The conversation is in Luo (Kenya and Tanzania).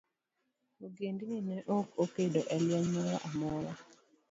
Ogendni ne ok okedo e lweny moro amora.